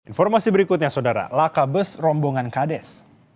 informasi berikutnya saudara laka bus rombongan kades